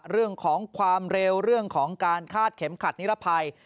เรื่องของความเร็วเรื่องของการคาดเข็มขัดนิรภัย